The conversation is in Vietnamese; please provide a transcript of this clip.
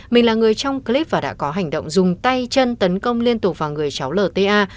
mình là người trong clip và đã có hành động dùng tay chân tấn công liên tục vào người cháu lta